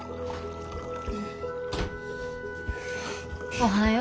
おはよう。